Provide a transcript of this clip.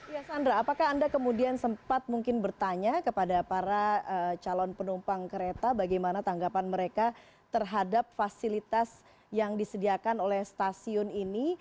ya sandra apakah anda kemudian sempat mungkin bertanya kepada para calon penumpang kereta bagaimana tanggapan mereka terhadap fasilitas yang disediakan oleh stasiun ini